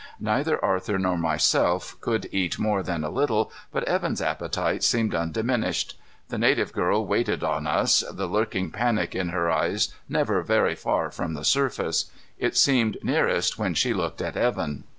Neither Arthur nor myself could eat more than a little, but Evan's appetite seemed undiminished. The native girl waited on us, the lurking panic in her eyes never very far from the surface. It seemed nearest when she looked at Evan.